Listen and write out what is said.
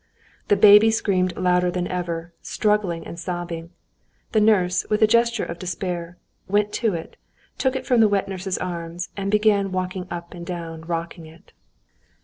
The baby screamed louder than ever, struggling and sobbing. The nurse, with a gesture of despair, went to it, took it from the wet nurse's arms, and began walking up and down, rocking it.